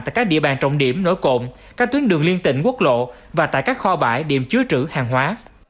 tại các địa bàn trọng điểm nổi cộng các tuyến đường liên tỉnh quốc lộ và tại các kho bãi điểm chứa trữ hàng hóa